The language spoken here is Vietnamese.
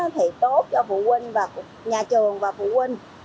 thì tốt cho phụ huynh và nhà trường và phụ huynh